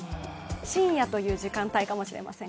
深夜という時間帯かもしれません。